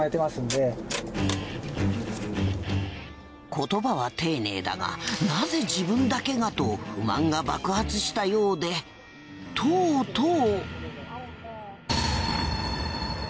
言葉は丁寧だがなぜ自分だけがと不満が爆発したようでとうとう。